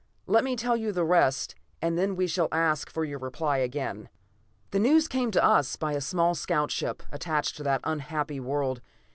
Let me tell you the rest, and then we shall ask for your reply again. "The news came to us by a small scout ship attached to that unhappy world.